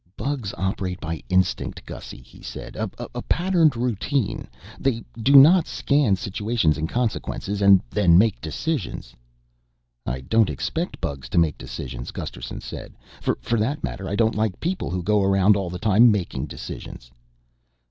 "Bugs operate by instinct, Gussy," he said. "A patterned routine. They do not scan situations and consequences and then make decisions." "I don't expect bugs to make decisions," Gusterson said. "For that matter I don't like people who go around alla time making decisions."